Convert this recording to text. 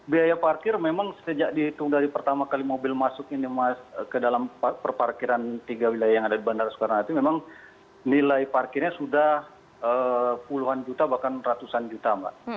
biaya parkir memang sejak dihitung dari pertama kali mobil masuk ini ke dalam perparkiran tiga wilayah yang ada di bandara soekarno hatti memang nilai parkirnya sudah puluhan juta bahkan ratusan juta mbak